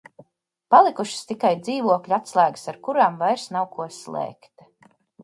Palikušas tikai dzīvokļa atslēgas, ar kurām vairs nav ko slēgt.